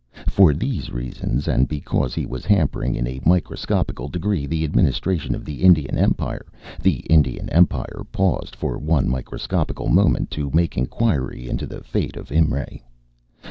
For these reasons and because he was hampering in a microscopical degree the administration of the Indian Empire, the Indian Empire paused for one microscopical moment to make inquiry into the fate of Imray.